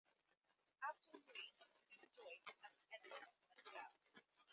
Abdul Muis soon joined as an editor as well.